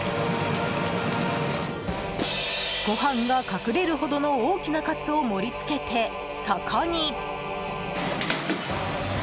ご飯が隠れるほどの大きなカツを盛り付けて、そこに。